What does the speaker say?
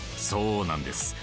そうなんです。